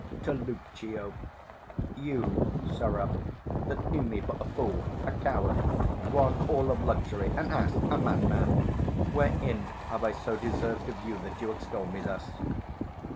[To Lucio] You, sirrah, that knew me for a fool, a coward, One all of luxury, an ass, a madman; Wherein have I so deserved of you, 500 That you extol me thus?